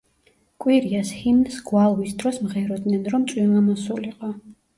კვირიას ჰიმნს გვალვის დროს მღეროდნენ, რომ წვიმა მოსულიყო.